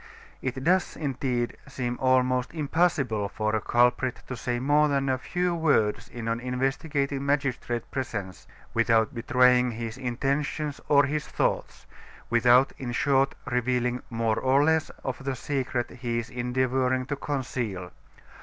It does, indeed, seem almost impossible for a culprit to say more than a few words in an investigating magistrate's presence, without betraying his intentions or his thoughts; without, in short, revealing more or less of the secret he is endeavoring to conceal.